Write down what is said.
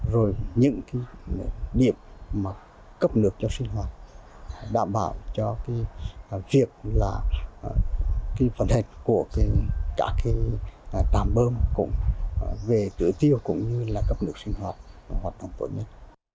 rồi những điểm cấp nước cho sinh hoạt đảm bảo cho việc vận hành của các trạm bơm về tử tiêu cũng như cấp nước sinh hoạt hoạt động tốt nhất